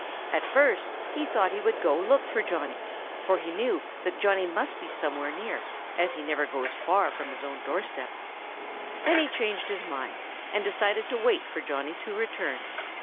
At first he thought he would go look for Johnny, for he knew that Johnny must be somewhere near, as he never goes far from his own doorstep. Then he changed his mind and decided to wait for Johnny to return.